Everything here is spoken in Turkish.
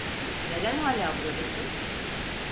Neden hala buradasın?